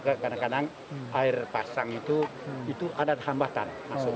kadang kadang air pasang itu ada hambatan